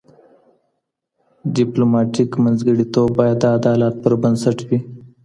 ډیپلوماټیک منځګړیتوب باید د عدالت پر بنسټ وي.